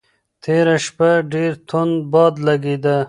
تېره شپه ډېر توند باد لګېده.